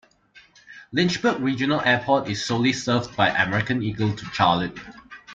Lynchburg Regional Airport is solely served by American Eagle to Charlotte.